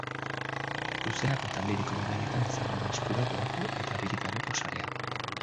Luzerako eta aldiriko bidaietan izango da eskura doako eta haririk gabeko sare hau.